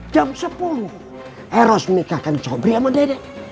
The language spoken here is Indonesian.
jam sepuluh nyeros menikahkan sobri sama dede